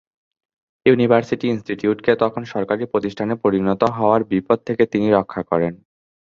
University institute কে তখন সরকারী প্রতিষ্ঠানে পরিণত হওয়ার বিপদ থেকে তিনি রক্ষা করেন।